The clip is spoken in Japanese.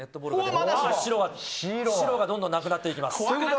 白がどんどんなくなっていきます。